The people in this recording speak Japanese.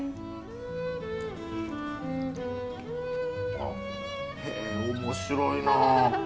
あへえ面白いなあ。